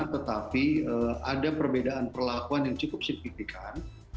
tetapi ada perbedaan perlakuan yang cukup signifikan